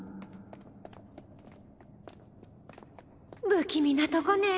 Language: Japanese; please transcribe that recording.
不気味なとこね。